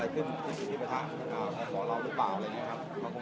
มีผู้ที่ได้รับบาดเจ็บและถูกนำตัวส่งโรงพยาบาลเป็นผู้หญิงวัยกลางคน